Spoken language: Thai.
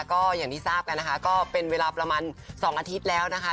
ก็อย่างที่ทราบกันนะคะก็เป็นเวลาประมาณ๒อาทิตย์แล้วนะคะ